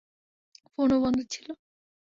ফোনও বন্ধ ছিল।